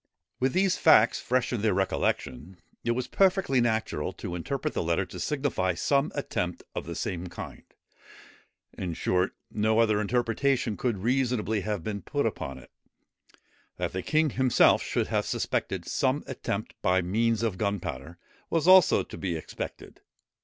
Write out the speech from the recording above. With these facts fresh in their recollection, it was perfectly natural to interpret the letter to signify some attempt of the same kind. In short, no other interpretation could have reasonably been put upon it. That the king himself should have suspected some attempt by means of gunpowder was also to be expected.